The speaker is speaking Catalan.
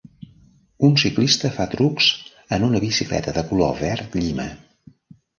Un ciclista fa trucs en una bicicleta de color verd llima.